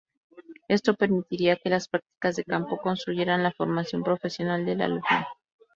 Esto permitiría que las prácticas de campo constituyeran la formación profesional de alumno.